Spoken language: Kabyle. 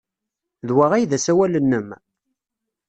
D wa ay d asawal-nnem?